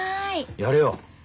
やれよ。